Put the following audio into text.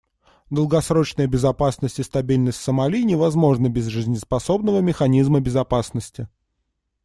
Долгосрочная безопасность и стабильность в Сомали невозможны без жизнеспособного механизма безопасности.